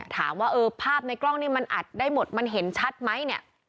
ถามว่าเออภาพในกล้องนี้มันอัดได้หมดมันเห็นชัดไหมเนี่ย